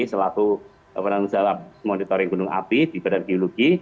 selaku perancang monitoring gunung api di badan geologi